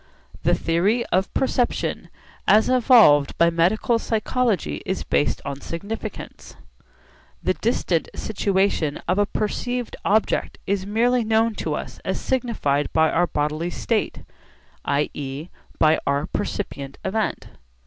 The theory of perception as evolved by medical psychology is based on significance. The distant situation of a perceived object is merely known to us as signified by our bodily state, i.e. by our percipient event.